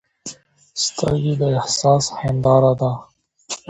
سترګې د احساس هنداره ده